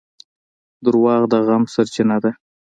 • دروغ د غم سرچینه ده.